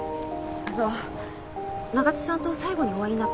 あの長津さんと最後にお会いになったのは？